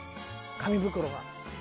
紙袋が。